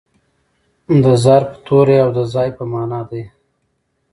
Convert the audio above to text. د ظرف توری او د ځای په مانا دئ.